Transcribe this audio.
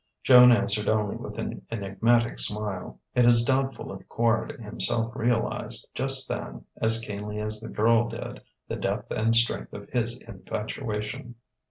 Joan answered only with an enigmatic smile. It is doubtful if Quard himself realized, just then, as keenly as the girl did, the depth and strength of his infatuation.